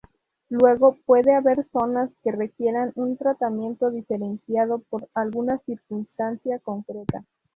Luego pude haber zonas que requieran un tratamiento diferenciado por alguna circunstancia concreta.